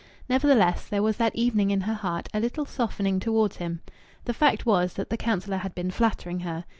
Nevertheless, there was that evening in her heart a little softening towards him. The fact was that the councillor had been flattering her.